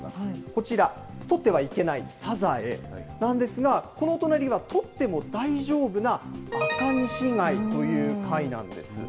こちら、取ってはいけないサザエなんですが、この隣は取っても大丈夫なアカニシガイという貝なんです。